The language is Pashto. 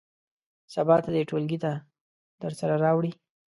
سبا ته دې ټولګي ته درسره راوړي.